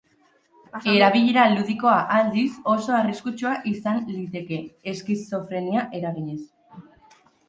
Erabilera ludikoa, aldiz, oso arriskutsua izan liteke, eskizofrenia eraginez.